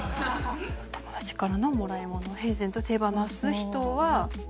友達からのもらいものを平然と手放す人は。